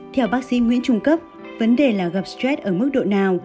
theo bác sĩ nguyễn trung cấp vấn đề là gặp stress ở mức độ nào